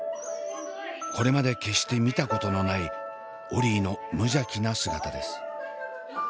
これまで決して見たことのないオリィの無邪気な姿です。